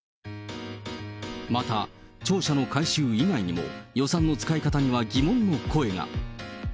また、庁舎の改修以外にも、予算の使い方には疑問の声が。